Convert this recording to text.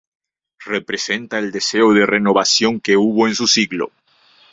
Representa el deseo de renovación que hubo en su siglo.